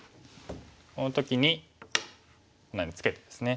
この時にこのようにツケてですね。